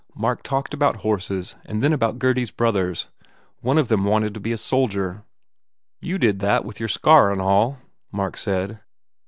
Mark talked about horses and then about Gurdy s brothers. One of them wanted to be a soldier. "You did that with your scar and all," Mark said.